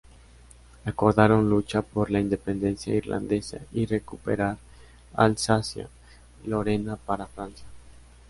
Acordaron luchar por la independencia irlandesa y recuperar Alsacia-Lorena para Francia.